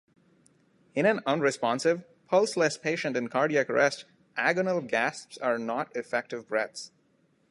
In an unresponsive, pulseless patient in cardiac arrest, agonal gasps are not effective breaths.